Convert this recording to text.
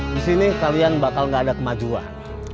di sini kalian bakal gak ada kemajuan